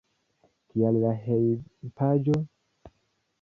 Kial la hejmpaĝo?